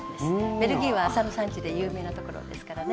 ベルギーは麻の産地で有名なところですからね。